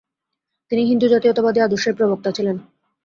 তিনি হিন্দু জাতীয়তাবাদী আদর্শের প্রবক্তা ছিলেন।